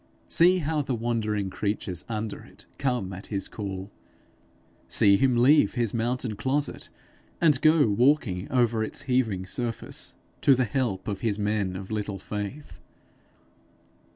See how the wandering creatures under it come at his call! See him leave his mountain closet, and go walking over its heaving surface to the help of his men of little faith!